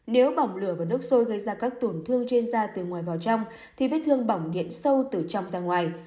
nếu bỏng lửa và nước sôi gây ra các tổn thương trên da từ ngoài vào trong thì vết thương bỏng điện sâu từ trong ra ngoài